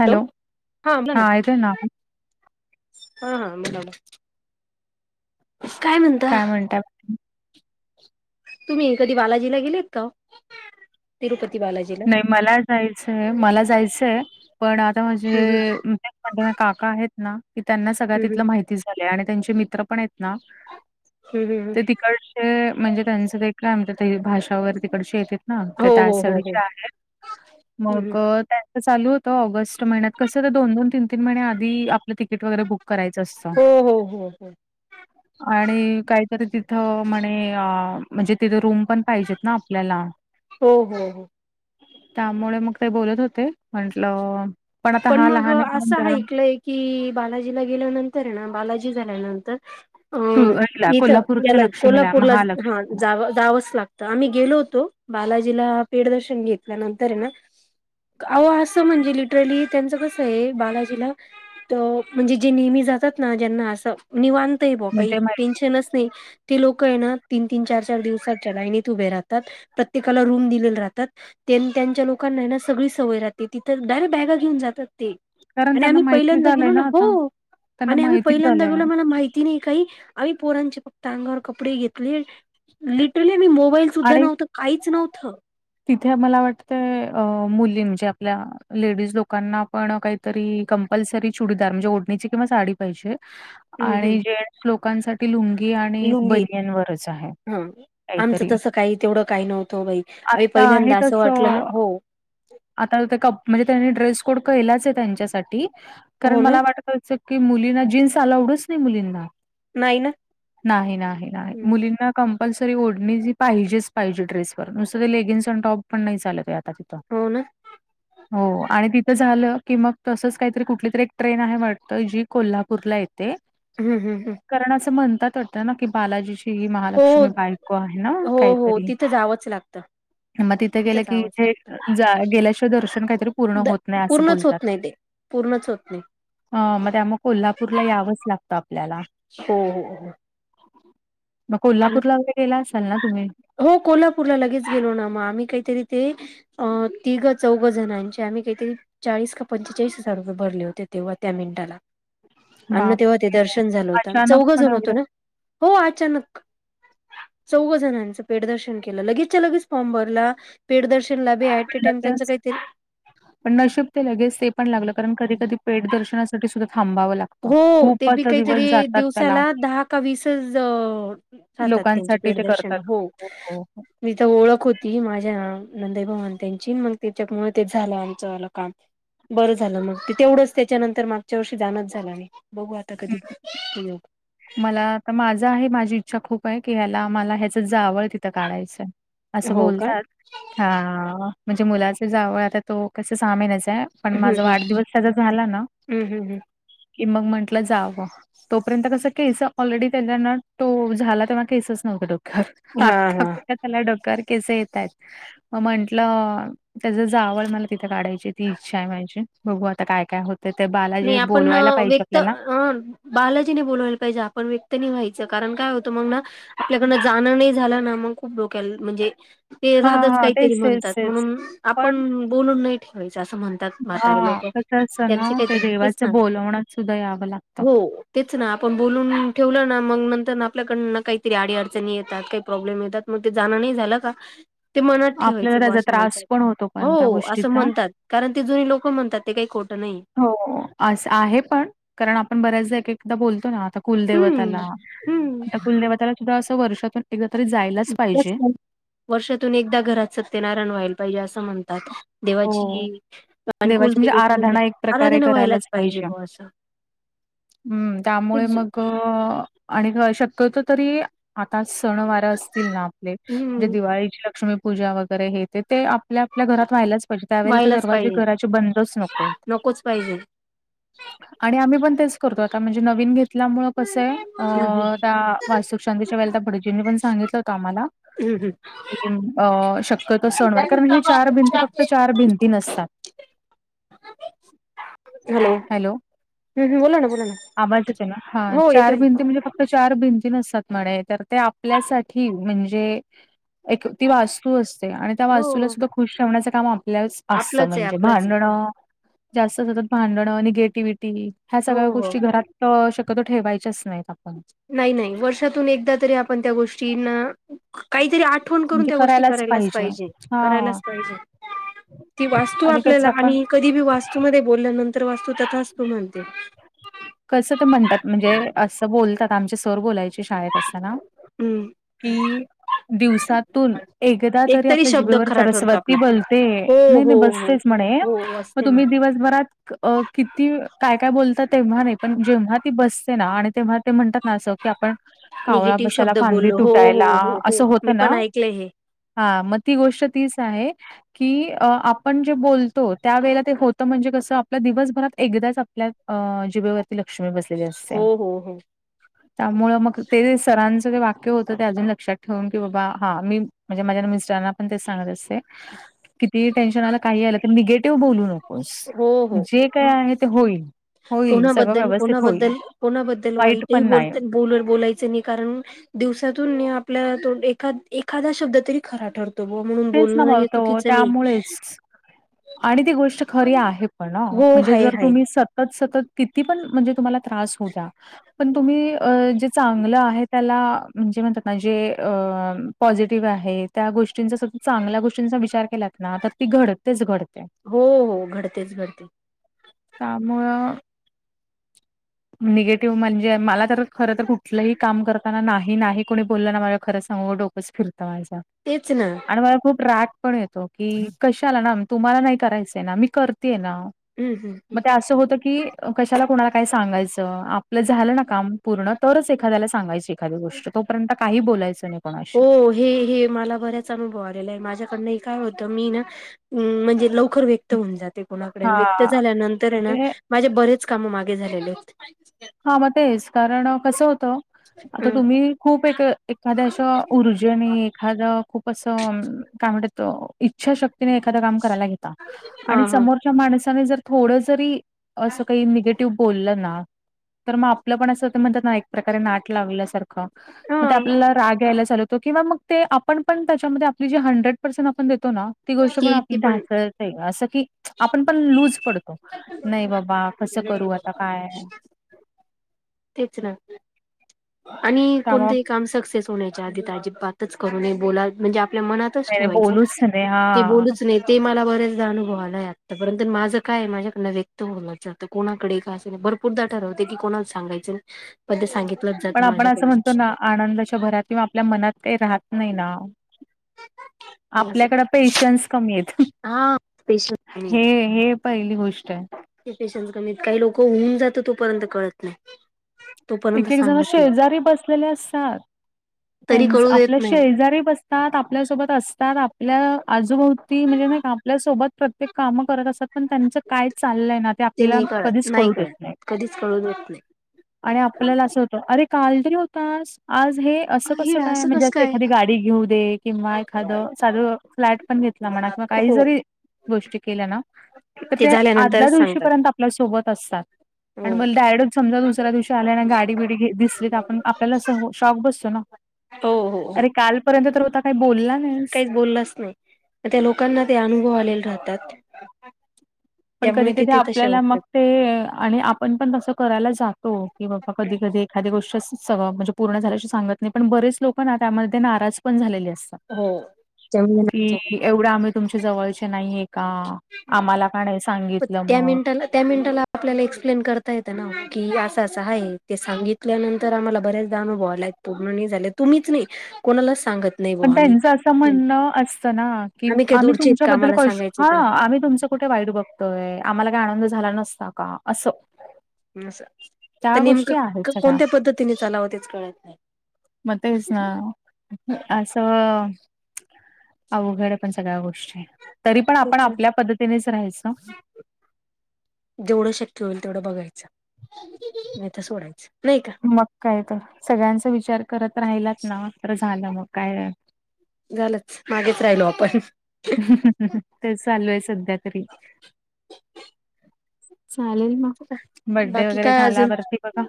Hello, हा बोला ना, हा हा बोला ना. काय म्हणता? तुम्ही कधी बालाजीला गेलेत का वो? तिरुपती बालाजीला? नाही मला जायचंय, मला जायचंय, पण आता हम्म म्हणजे पण त्यांना काका आहेत ना कि त्यांना सगळ्या हम्म तिथलं माहिती झालंय, आणि त्यांचे मित्र पण आहेत ना हम् हम हम. ते तिकडचे म्हणजे त्यांचं ते काय म्हणते ते भाषा वर तिकडं येतेतं ना हो ते हो हो हो त्यासाठी मग हम्म त्या चालू होत ऑगस्ट महिन्यात कसं ते दोन- दोन तीन -तीन महिने आधी आपलं तिकीट वगैरे बुक करायचं असतं. हो हो हो हो आणि काहीतरी तिथं म्हणे म्हणजे तिथे रूम पण पाहिजेत ना आपल्याला. हो हो हो. त्यामुळे मग ते बोलत होते म्हंटलं पण आता हा लहान आहे म्हणून जरा कि बालाजीला गेल्यानंतर येना बालाजी झाल्यानंतर तू अ हिला इथं कोल्हापूरच्या याला लक्ष्मीला, कोल्हापूरलाच हा महालक्ष्मीला जावंच लागत. त आम्ही गेलो होतो बालाजीला पेडदर्शन घेतलं त्या नंतर हे ना अहो असं म्हणजे लिटरली त्यांचं कस हे बालाजीला तर म्हणजे जे नेहमी जातात ना ज्यांना असं निवांत ये बो काही म्हणजे माहिती टेन्शनचं नाही ते लोक आहे ना तीन- तीन चार- चार दिवसातच्या लाईनीत उभे राहतात प्रत्येकाला रूम दिलेल्या राहतात, तेनी त्यांच्या लोकांना हाय ना सगळी सवय राहती तिथं डायरेक्ट बॅगा घेऊन जातात ते, कारण आणि त्यांना आम्ही माहिती पहिल्यांदा झालंय गेलो ना आता. हो त्यांना आणि आम्ही माहिती पहिल्यांदा झालंय गेलो मला माहिती तिने काही आम्ही पोरांचे फक्त अंगावर कपडे घेतले लिटरली आम्ही मोबाईल सुद्धा आणि नव्हतं काहीच नव्हतं तिथे आम्हाला वाटत अ मुली म्हणजे आपल्या लेडीज लोकांना पण काहीतरी कंपल्सरी चुडीदार म्हणजे ओढणीची किंवा साडी पाहिजे हम्म आणि हम्म जेण्ट्स लोकांसाठी ती लुंगी आणि लुंगी बनियन वरचं आहे, हं, आमचं काहीतरी. तसं काही तेवढं काही नव्हतं वो बाई, आम्ही आता आहे पहिल्यांदा असं वाटलं ना तसं हो. आता कप म्हणजे त्यांनी ड्रेस कोड कैलाच ये त्यांच्यासाठी, कारण हो ना? मला वाट कि मुलींना जीन्स अलाऊड च नाही मुलींना. नाही ना? नाही नाही नाही, मुलींना कंम्पलसरी ओढणी जी पाहिजेच पहिजे ड्रेसवर नुसतं ते लेगिन्स आणि टॉप पण नाही चालत आहे आता तिथं. हो ना. हो आणि तिथं झालं की मग तसंच काहीतरी कुठली तरी एक ट्रेन आहे वाटत जी कोल्हापूरला येते. हम् हं हं.. कारण असं म्हणतात वाटतं ना कि बालाजीची ही हो. महालक्ष्मी बायको आहे ना काहीतरी? जावंच लागत. मग तिथे इथं गेलं की जावंच इथे लागत जा गेल्याशिवाय दर्शन काहीतरी पूर्ण होत नाही असं पूर्णचं बोलतात. होत नाही ते. पूर्णच होत नाही. मग त्यामुळं कोल्हापूरला यावंच लागतं आपल्याला. हो हो हो.. मग आणि कोल्हापूर ला वगैरे गेला असाल ना तुम्ही? हो कोल्हापूरला लगेच गेलो ना मग आम्ही काहीतरी ते अ तिघ चौघ जणांचे आम्ही काहीतरी चाळीस का पंचेचाळीस हजार रुपये भरले होते. तेव्हा त्या मिनिटाला. आणि मगं तेव्हा ते बापरे! दर्शन झालं होतं अचानकपणे चौघजन होतो एवढं ना हो अचानक चौघाजणांचे पेडदर्शन केलं, लगेच्या लगेच फॉम भरला तुला बी ऍट अ पण टाइम त्यांच लगेच काही पण नशिब ते लगेच ते पण लागलं कारण कधी कधी पेड दर्शनासाठी सुद्धा थांबावं लागत. हो ते बी काहीतरी दिवसाला दहा का वीसच राहातात त्यांचे लोकांसाठी ते पेडदर्शन करतात. हो हो, हो. मी तर ओळख होती माझ्या नंदे भाऊ अन् त्यांची मग त्याच्यामुळे तेच झालं आमचं काम बरं झालं मग ते तेवढंच त्याच्यानंतर मागच्या वर्षी जाणच झाल नाही बघू आता कधी योग मला तर माझा आहे माझी इच्छा खूप आहे की ह्याला मला ह्याच जावळ तिथं काढायचंय असं हो का बोलतात हा म्हणजे मुलाच जावळ आता तो कस सहा महिन्याचा आहे पण हम्म माझा वाढदिवस त्याचा झाला ना हम्म हम्म हम्म कि मग म्हंटलं जावं, तोपर्यंत कसं केस ऑलरेडी त्याला ना, तो झाला तेव्हा केसच नव्हते डोक्यावर हा आता हा त्याला डोक्यावर केस येतात मग म्हंटलं त्याच जावळ मला तिथे काढायची ती इच्छा आहे माझे बघू आता काय काय होत. नाही आपण व्यक्त अ बालाजीने बोलवायला पाहिजे, आपण व्यक्त नाही व्हायचं कारण काय होतं मग ना आपल्याकडनं जाणं नाही झालं ना मग खूप डोक्याला म्हणजे ते हा राहतच हा काहीतरी तेच तेच म्हणतात तेच. म्हणून पण आपण बोलून नाही ठेवायचं असं म्हणतात म्हणतात म्हातारे हा लोक कसं असतं ना यांची ते देवाचं बोलवण्यात सुद्धा यावं लागतं हो तेच ना आपण बोलून ठेवलं ना मग नंतर आपल्याकडन काहीतरी अडी अडचणी येतात काही प्रॉब्लेम येतात मग ते जाणं नाही झालं का ते मनात आपल्याला ठेवायचं बुआ त्याचा असं म्हणतात त्रास पण होतो पण त्या हो असं गोष्टीचा. म्हणतात. कारण ते जुने लोक म्हणतात ते काही खोटं नाही. हो अस आहे पण कारण आपण बऱ्याचदा एक एकदा बोलतो ना आता हम्म कुलदेवताला हम्म त्या कुलदेवताला सुद्धा अस वर्षातून एकदा तरी जायलाच पाहिजे. वर्षातून एकदा घरात सत्यनारायण व्हायला पाहिजे असं म्हणतात हो. देवाची अनकुल देवाची [inaudible] म्हणजे ते आराधना एक प्रकारे आराधना व्हायलाच पाहिजे बुआ असं हम्म त्यामुळे मग आणि शक्यतो तरी आता सण वार असतील ना आपले म्हणजे हम्म दिवाळीची लक्ष्मी पूजा वगैरे हेे ते आपल्या आपल्या घरात व्हायलाच पाहिजे. त्यावेळेला तर व्हायलाच दरवाजे पाहिजे घराचे बंदच नको हाईत. नकोच पाहिजे. आणि आम्ही पण तेच करतो आता म्हणजे नवीन घेतल्यामु कसं आहे अ त्या. वास्तुिक शांतीच्या वेळेला तर भडजींनी पण सांगितलं होत आम्हाला. हम् हम्, क अ शक्यतो सणवर कारण हे चार भिंती फक्त चार भिंती नसतात. हॅलो, हम्म बोला ना बोला ना आबाज येत ना हा हो चार येतोय ना भिंती म्हणजे फक्त. चार भिंती नसतात म्हणे तर ते आपल्यासाठी म्हणजे. एक ती वास्तू असते आणि त्या वास्तूला हो. सुद्धा खुश ठेवण्याचं काम आपल्याच. असं आपलंच आहे म्हणजे आपलंच आहे भांडणं. जास्त सतत भांडणं निगेटिव्हिटी ह्या सगळ्या हो हो गोष्टी घरात. त शक्यतो ठेवायचेच नाहीत आपण. नाही नाही वर्षातून एकदा तरी आपण त्या गोष्टीना. काहीतरी आठवण करून त्या गोष्टी करायलाच पाहिजे करायलाच पाहिजे. ती वास्तू आणि कसं आपल्याला आपण आणि कधी बी वास्तूमध्ये बोलल्यानंतर वास्तू तथास्तु म्हणते. कसं ते म्हणतात म्हणजे असं बोलतात आमचे सर बोलायचे शाळेत असताना. हम्म. की, दिवसातून एकदा एक तरी आपल्या शब्द जीबेवर खरा ठरतो सरस्वती आपला बोलते. हो नाही हो नाही हो बसतेच म्हणे हो मग असते तुम्ही मॅम दिवसभरात अ किती काय काय बोल ''--'' तेव्हा नाही पण जेव्हा ती बसते ना आणि तेव्हा ते म्हणतात ना असं की, आपण. कावळा निगेटिव्ह बसायला शब्द फांदी बोललो हो हो तुटायला हो हो असं मी होतं ना. पण ऐकलंय हे हा मग ती गोष्ट तीच आहे. की, आ आपण जे बोलतो त्या वेळे ते होतं. म्हणजे कसं आपल्या दिवसभरात एकदाच आपल्या. अ जिबेवरती लक्ष्मी बसलेली असत्या. हो हो [inaudible] त्यामुळ मग ते सरांचं तेे वाक्य होतं ते अजून लक्षात ठेवून की, बाबा हा मी''. म्हणजे माझ्या मिस्टरांना पण ते सांगत असते किती टेन्शन आला काही आलं तर निगेटिव्ह बोलू नको ''--'' वस हो हो जे काय आहे ते होईल. होईल सगळं कोणाबद्दल व्यवस्थित होईल. कोणाबद्दल कोणाबद्दल वाईट वाईटही पण बोल नाही. बोल बोलायचं नाही कारण. दिवसातून आपल्या तो एखा एखादा शब्द तरी खरा ठरतो. तो ब म्हणून तेच ना बोलण मग नाही तो चुकीचं नाही. त्यामुळेच. आणि ती गोष्ट खरी आहे. पण हो म्हणजे हाय जर हाय तुम्ही स''--'' सतत सतत किती पण म्हणजे तुम्हाला त्रास होऊ द्या पण तुम्ही अ जी ''--'' चांगलं आहे त्याला म्हणजे म्हणतात ना जे अ पॉझिटिव्ह आहे त्या गोष्टींचा स''--'' चांगल्या गोष्टींचा विचार केलात ना तर ती घडतेच घडते. हो हो, घडतेच घडते. त्यामुळ निगेटिव्ह म्हणजे मलात. तर खर तर कुठलंही काम करताना नाही नाही कोणी बोलला ना माझ्या खरं सांगू डोकंच फिरतं माझं. तेच ना. आणि मला खूप राग पण येतो की, कशाला ना तुम्हाला नाही करायच आहे. ना मी करतेय ना. हम्म हम्म मग ते असं होत की, कशाला कुणाला काही सांगायचं आपलं झालं ना काम पूर्ण तरच एखाद्याला सांगायचे. एखादी गोष्ट तोपर्यंत काही बोलायचं नाही. कोणाशी. होय. ही ही, मला बऱ्याच अनुभव आलेला आहे. माझ्याकडनं काय होतं मी ना अ म्हणजे लवकर वे ''--'' व्यक्त होऊन जाते. कोणाकडे व्यक्त हां, झाल्यानंतर ना म्हणजे माझे बरेच काम मागे झालेले होते. हा मग तेच कारण कसं होतं. आता अं तुम्ही खूप एक एखाद्या अशा ऊर्जेन आणि एखाद खूप असं काय म्हणतात इच्छा शक्ती क्तीने एखाद काम करायला घेता, हा आणि हा समोरच्या माणसाने जर थोड जरी, असं काही निगेटिव्ह बोललं ना, तर मग आपलं पण असं होत म्हणतात ना, एक प्रकारे नाट लावल्यासारखं मग ते हा आपल्याला राग यायला चालू किंवा मग ते आपण पण त्याच्यामध्ये आपली जी हंड्रेड पर्सेंट आपण देतो ना, ती गोष्ट पण ते ते आपली ढासळती. असं की, आपण पण लूज पडतो. नाही बाबा कसं करू आता काय? तेच ना, आणि त्यामुळे कोणतंही काम सक्सेस होण्याच्या आधी अजिबातच करू नये. बोला म्हणजे आपल्या मनात मनातच नाही नाही, ठेवायचं बोलूच नाही ते हां. बोलूच नाही. ते मला बरेचदा अनुभवा आलाय आतापर्यंत, माझं काय माझ्याकड व्यक्त होउनच जात. कोणाकडे का असे नाही भरपूरदा ठरवते की, कोणा सांगायंच नाही पण सांगितलं. पण आपण असं म्हणतो ना, आनंदाच्या भरात किंवा आपल्या मनात काही राहत नाही ना, असं आपल्याकडे पेशन्स कमी आहेत.... हा पेशन्स हे हे पहिली गोष्ट आहे. ते पेशन्स कमीत काही लोक होऊन जात तोपर्यंत कळत नाही. तोपर्यंत एक एक जण सांगत नाही शेजारी बसलेले असतात. तरी त्यांच कळू देत आपल्या नाही शेजारी बस तात आपल्या सोबत असतात. आपल्या आजूभोवती म्हणजे नाही का आपल्यासोबत प्रत्येक कामं करत असत. पण त्यांचं काय चाललंय ना, ते आपल्याला नाही कळत कधीच नाही कळू देत कळत नाहीत. कधीच कळू देत आणि आपल्याला असं अरे काल तरी होतास. आज हे असं नाही हे कसं काय? म्हणजे कसं असं काय एखादी गाडी घेऊ दे, किंवा एखादं साध फ्लॅट पण घेतला. म्हणा किंवा काही हो जरी गोष्टी केल्या ना, तर ते आदल्या झाल्यानंतरच सांगतात दिवशीपर्यंत आपल्या सोबत असतात. आणि हो मग डायरेक्ट समजा दुसऱ्या दिवशी आल्या आणि गाडी बिडी घेत दिसली, तर आपण आपल्याला अस शॉक बसतो ना, हो हो हो अरे कालपर्यंत तर होता काही बोलला नाही. काहीच बोललाच नाही त्या लोकांना ते अनुभव आलेले राहतात. पण त्यामुळे ते कधी-कधी ते तसे आपल्याला मग वागतात ते आणि आपण पण तस करायला जातो की, बाबा कधी-कधी एखाद्या गोष्टी सगळ म्हणजे पूर्ण झाल्याशी सांगत नाही, पण बरेच लोक ना त्यामध्ये नाराज पण झालेले असतात. हो कि त्यामुळे एवढं आम्ही तुमच्या जवळचे नाहीये का आम्हाला का नाही सांगितलं पत्या मग? मिनट त्या मिनिटा आपला एक्सप्लेन करता येतं ओ ना की, असं असं आहे ते सांगित त्यानंतर आम्हाला बऱ्याचदा अनुभवाला पूर्ण झाले. तुम्हीच नाही कोणालाच सांगत नाही पण बुवा आम्ही त्यांचं असं म्हणणं असतं ना की, काय आम्ही दूरचे आहेत का तुमच्याबद्दल आम्हाला क सांगायचं हा तर आम्ही तुमचं कुठे वाईट बघतोय. आम्हाला काही आनंद झाला नसता का? असं तर त्या गोष्टी आहेत नेमकं सगळ्या. कोणत्या पद्धतीने चालावं तेच कळत नाही. म तेच ना, असं अवघड आहे पण सगळ्या गोष्टी, तरी पण आपण तेच ना आपल्या पद्धतीनेच राहायचं. जेवढं शक्य होईल तेवढं बघायचं, नाही तर सोडायचं नाही का? मग काय तर सगळ्यांचा विचार करत राहिलात ना तर झालं मग काय? झालंच मागेच राहिलो आपण, तेच चालू आहे सध्या तरी, चालेल मग बड्डे बाकी वगैरे काय अजून झाल्यावरती बघा.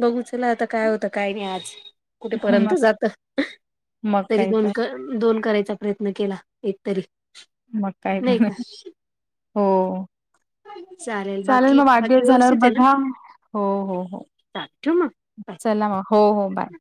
बघू चला आता काय होतं. काय नाही आज मग कुठेपर्यंत जात मग तरी काय तर कर दोन करायचा प्रयत्न केला. एकतरी मग काय हो चालेल बाकी म बाकी वाढदिवस झाल्यावर व्यवस्थित आहे ना बघा. हो हो हो चालेल ठेव मग बाय चला म हो हो बाय